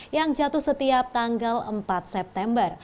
yang jatuh setiap tanggal empat september